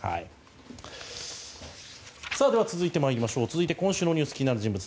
続いて、今週のニュース気になる人物